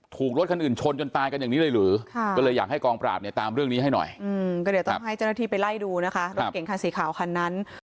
รถคันอื่นชนจนตายกันอย่างนี้เลยหรือก็เลยอยากให้กองปราบเนี่ยตามเรื่องนี้ให้หน่อยก็เดี๋ยวต้องให้เจ้าหน้าที่ไปไล่ดูนะคะรถเก่งคันสีขาวคันนั้น